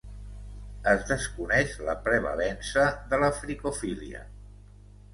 Es desconeix la prevalença de la fricofília.